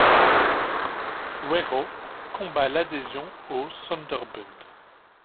Werro combat l’adhésion au Sonderbund.